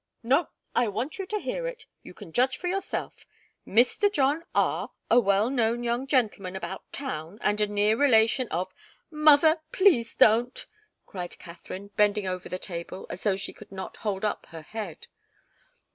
"No I want you to hear it. You can judge for yourself. 'Mr. John R , a well known young gentleman about town and a near relation of '" "Mother please don't!" cried Katharine, bending over the table as though she could not hold up her head.